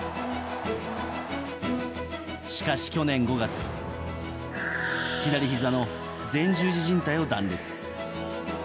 しかし、去年５月左ひざの前十字じん帯を断裂。